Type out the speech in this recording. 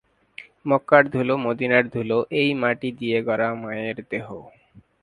মক্কার ধুলো, মদিনার ধুলো, এই মাটি দিয়ে গড়া মায়ের দেহ।